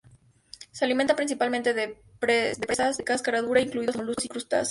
Se alimenta principalmente de presas de cáscara dura, incluidos los moluscos y crustáceos.